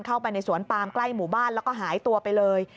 เข้าไปในสวนปามใกล้หมู่บ้านแล้วก็หายตัวไปเลย